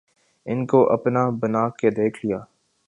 ان کو اپنا بنا کے دیکھ لیا